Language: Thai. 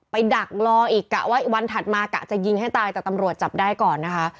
ดักรออีกกะว่าวันถัดมากะจะยิงให้ตายแต่ตำรวจจับได้ก่อนนะคะ